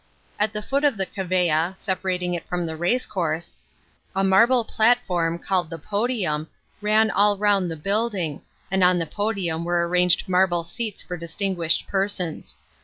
At the foot of the cavea, separating it Horn the racecourse, a marble platform, called t\\Q podium, ran all round th building, and on the podium were arranged marble seats for distin guished persons.